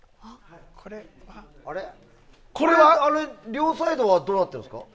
両サイドはどうなっているんですか。